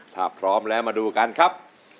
ถ้าพร้อมแล้วมาดูกันครับ